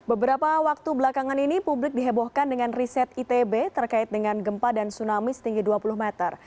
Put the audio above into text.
beberapa waktu belakangan ini publik dihebohkan dengan riset itb terkait dengan gempa dan tsunami setinggi dua puluh meter